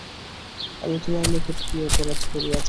আমি তোমার নিকট কী অপরাধ করিয়াছি?